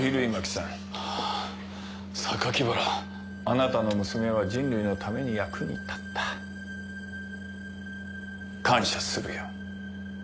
あなたの娘は人類のために役に立った。感謝するよ。